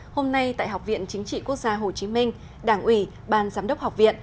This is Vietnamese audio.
hôm nay tại học viện chính trị quốc gia hồ chí minh đảng ủy ban giám đốc học viện